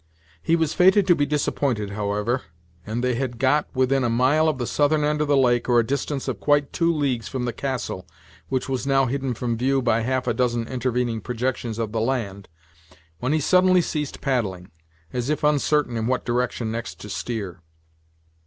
He was fated to be disappointed, however; and they had got within a mile of the southern end of the lake, or a distance of quite two leagues from the "castle," which was now hidden from view by half a dozen intervening projections of the land, when he suddenly ceased paddling, as if uncertain in what direction next to steer.